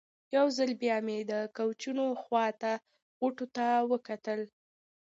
یو ځل بیا مې د کوچونو خوا ته غوټو ته وکتل.